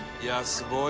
「すごい！」